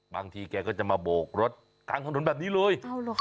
บางทีแกก็จะมาโบกรถกลางถนนแบบนี้เลย